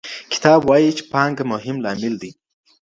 کتاب وایي چې پانګه مهم لامل دی.